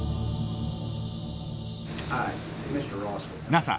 ＮＡＳＡ